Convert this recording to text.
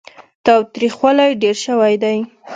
تاوتريخوالی ډېر شوی دی.